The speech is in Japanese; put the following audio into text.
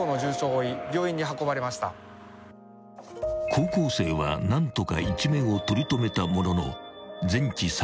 ［高校生は何とか一命を取り留めたものの］